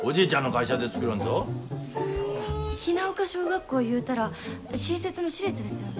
雛丘小学校いうたら新設の市立ですよね？